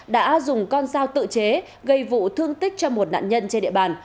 đã dùng con sao tự chế gây vụ thương tích cho một nạn nhân trên địa bàn